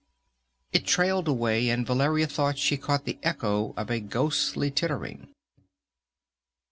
Ahhh!" It trailed away, and Valeria thought she caught the echo of a ghostly tittering.